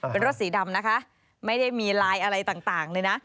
เป็นรถสีดำนะคะไม่ได้มีลายอะไรต่างเลยนะ